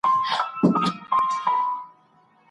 ستونزي د پیاوړتیا لاره ده.